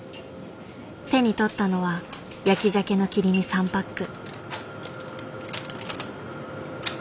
手に取ったのは焼きじゃけの切り身３パック。